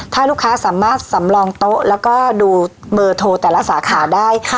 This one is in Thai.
ถ้าลูกค้าสามารถสำรองโต๊ะแล้วก็ดูเบอร์โทรแต่ละสาขาได้